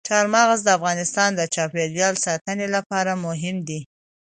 چار مغز د افغانستان د چاپیریال ساتنې لپاره مهم دي.